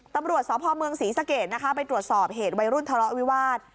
ตำรวจสพเมืองศรีสะเกดนะคะไปตรวจสอบเหตุวัยรุ่นทะเลาะวิวาส